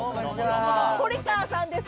堀川さんです。